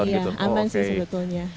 aman iya aman sih sebetulnya